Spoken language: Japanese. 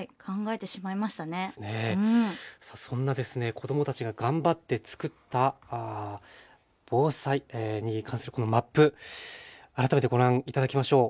子どもたちが頑張って作った防災に関するこのマップ改めてご覧いただきましょう。